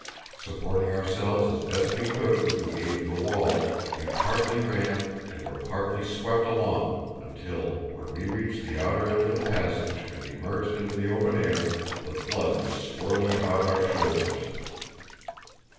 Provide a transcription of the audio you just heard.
Supporting ourselves as best we could with the aid of the walls, we partly ran, and were partly swept along, until, when we reached the outer end of the passage and emerged into the open air, the flood was swirling about our shoulders.